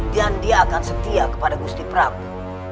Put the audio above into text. dan dia akan setia kepada gusti prabu